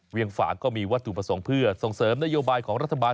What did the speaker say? ฝ่างก็มีวัตถุประสงค์เพื่อส่งเสริมนโยบายของรัฐบาล